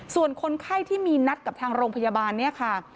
ส่วนคนไข้ที่มีนัดกับทางโรงพยาบาลเนี่ยค่ะ